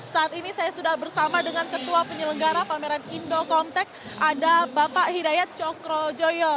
saat ini saya sudah bersama dengan ketua penyelenggara pameran indo contact ada bapak hidayat cokrojoyo